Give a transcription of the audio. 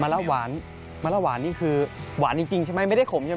ละหวานมะละหวานนี่คือหวานจริงใช่ไหมไม่ได้ขมใช่ไหม